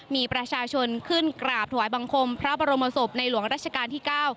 มีประชาชนขึ้นกราบถวายบังคมพระบรมศพในหลวงราชการที่๙